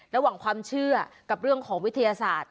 ระหว่างความเชื่อกับเรื่องของวิทยาศาสตร์